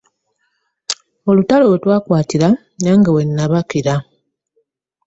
Otulo we twankwatira nage wenebakira .